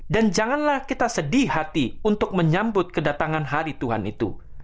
dan janganlah kita sedih hati untuk menyambut kedatangan hari tuhan itu